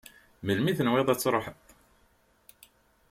Melmi i tenwiḍ ad tṛuḥeḍ?